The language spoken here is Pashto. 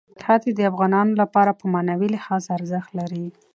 ښتې د افغانانو لپاره په معنوي لحاظ ارزښت لري.